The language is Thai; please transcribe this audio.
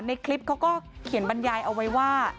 ในคลิปเขาก็เขียนบรรยายเอาไว้ว่า